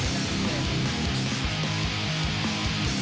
สวัสดีครับ